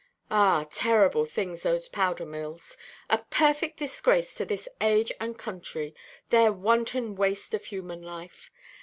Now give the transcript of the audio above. "Ah, terrible things, those powder–mills! A perfect disgrace to this age and country, their wanton waste of human life.